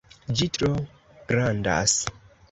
Ĝi tro grandas